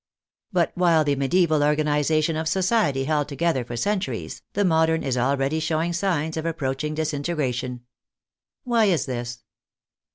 But while the medieval organization of society held together for cen turies, the modern is already showing signs of approach ing disintegration. Why is this?